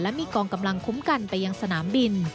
และมีกองกำลังคุ้มกันไปยังสนามบิน